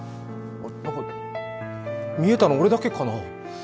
あれ、何か、見えたの俺だけかな？